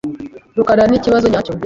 rukaranikibazo nyacyo.